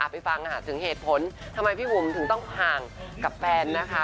ไปฟังถึงเหตุผลทำไมพี่บุ๋มถึงต้องห่างกับแฟนนะคะ